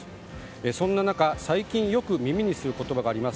そんな中、最近よく耳にする言葉があります。